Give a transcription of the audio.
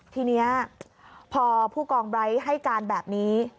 ทีนี้พอผู้กองไร้ให้การแบบนี้